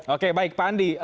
oke baik pak andi